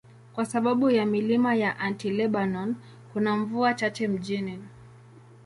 Kwa sababu ya milima ya Anti-Lebanon, kuna mvua chache mjini.